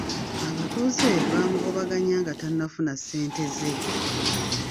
Abatuuze baamugobaganya nga tannafuna ssente ze.